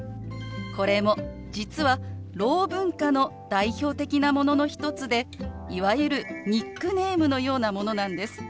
これも実はろう文化の代表的なものの一つでいわゆるニックネームのようなものなんです。